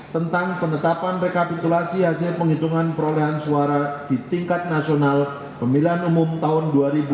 tentang penetapan rekapitulasi hasil penghitungan perolehan suara di tingkat nasional pemilihan umum tahun dua ribu dua puluh